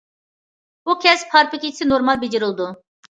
بۇ كەسىپ ھارپا كېچىسى نورمال بېجىرىلىدۇ!